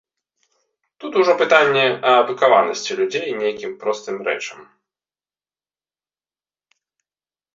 Тут ужо пытанне адукаванасці людзей нейкім простым рэчам.